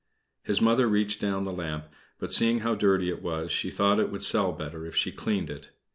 His Mother reached down the lamp; but seeing how dirty it was, she thought it would sell better if she cleaned it.